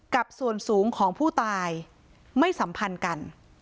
กับส่วนสูงของผู้ตายไม่สัมพันธ์กัน